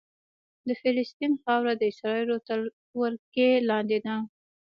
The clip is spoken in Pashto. د فلسطین خاوره د اسرائیلو تر ولکې لاندې ده.